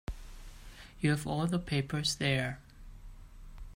You have all the papers there.